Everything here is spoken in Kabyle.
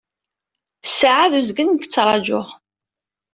Ssaɛa d uzgen nekk ttrajuɣ.